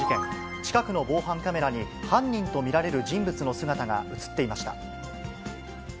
近くの防犯カメラに犯人と見られる人物の姿が写っていました。